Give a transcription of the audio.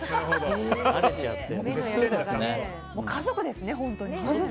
家族ですね、本当に。